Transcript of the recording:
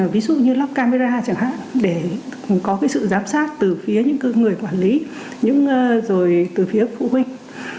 ví dụ như lắp camera chẳng hạn để có sự giám sát từ phía những người quản lý rồi từ phía phụ huynh